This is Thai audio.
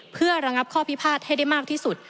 เพื่อระงับข้อพิพาทให้ได้มากที่สุด